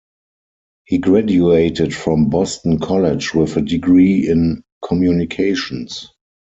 He graduated from Boston College with a degree in communications.